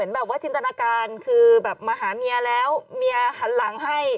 มันไม่เห็นภาพใช่ไหม